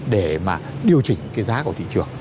để mà điều chỉnh cái giá của thị trường